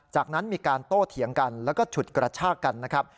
จากนั้นมีการโต้เถียงกันแล้วก็ฉุดกระชากกันนะครับ